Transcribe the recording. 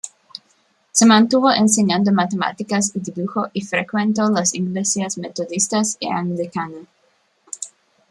Se mantuvo enseñando Matemáticas y Dibujo y frecuentó las iglesias metodista y anglicana.